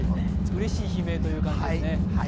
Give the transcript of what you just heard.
うれしい悲鳴という感じですね。